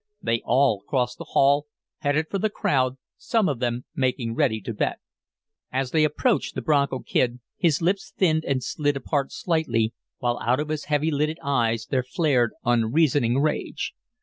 They all crossed the hall, headed for the crowd, some of them making ready to bet. As they approached the Bronco Kid, his lips thinned and slid apart slightly, while out of his heavy lidded eyes there flared unreasoning rage.